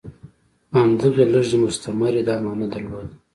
خو همدغې لږې مستمرۍ دا معنی درلوده.